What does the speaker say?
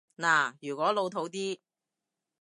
嗱，如果老套啲